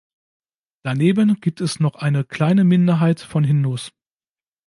Daneben gibt es noch eine kleine Minderheit von Hindus.